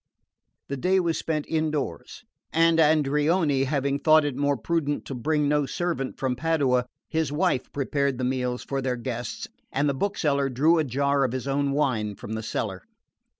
The day was spent indoors, and Andreoni having thought it more prudent to bring no servant from Padua, his wife prepared the meals for their guests and the bookseller drew a jar of his own wine from the cellar.